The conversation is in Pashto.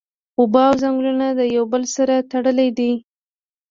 اوبه او ځنګلونه د یو او بل سره تړلی دی